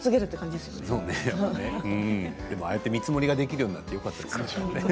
でも、ああやって見積もりができるようになっていいですよね。